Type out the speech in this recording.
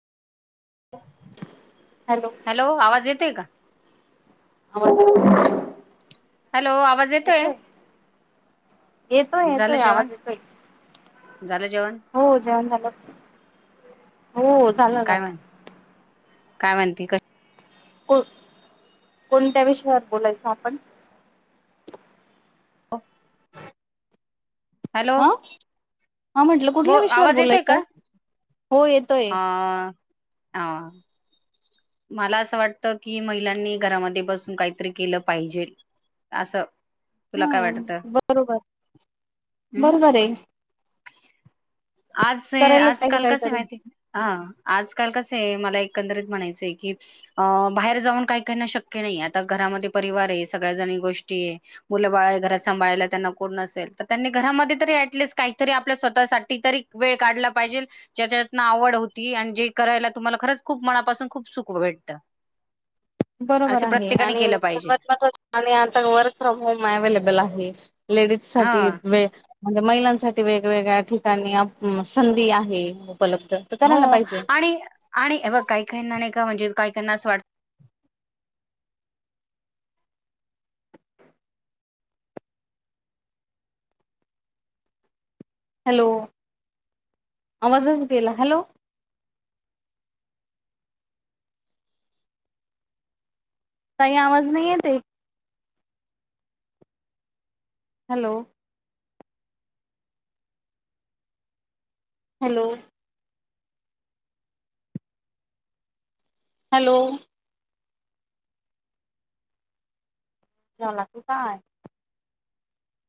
Hello आवाज येतोय का? [inaudible] हॅलो आवाज येतोय येतोय झालं येतोय जेवण आवाज येतोय झालं जेवण? हो जेवण झालं. हो झालं काय म्हण [unintelligible] काय म्हणते कस को कोणत्या विषयावर बोलायचं आपण व हा हा म्हटलं ब कुठल्या विषयावर आवाज येतोय बोलायचं का? हो येतोय ह मला असं वाटतं की महिलांनी घरामध्ये बसून काहीतरी केलं पाहिजे असं तुला काय हम वाटतं? बरोबर हम्म बरोबर आहे आज करायलाच पाहिजे आजकाल कसे काहीतरी माहिती आहे हा आजकाल कसे आहे मला एक एकंदरीत म्हणायचय की अ बाहेर जाऊन काही करण शक्य नाही आता घरामध्ये परिवार आहे सगळ्या भरपूर गोष्टी आहे मुलं बाळ घरात सांभाळायला त्यांना कोण नसेल तर त्यांनी घरामध्ये तर एटलीस्ट काहीतरी आपलं स्वतासाठी ईतरिक वेळ काढला पाहिजेल ज्याच्यातन आवड होती आणि जे करायला तुम्हाला खरच खूप मनापासून खूप सुख भेटतं बरोबर असे आहे प्रत्येकाने आणि केलं पाहिजे सर्वात महत्वाचे आता वर्क फ्रॉम होम अवेलेबल आहे. लेडीज ह साठी वे म्हणजे महिलांसाठी वेगवेगळ्या ठिकाणी आप संधी आहे उपलब्ध तर हो करायला पाहिजे आणि आणि हे बघ काही काहीनां नाहि का म्हणजे काहिकाहींना असं वाटत हॅलो, आवाजच गेला. हॅलो, ताई आवाज नाही येतंय हॅलो हॅलो हॅलो झाला कि काय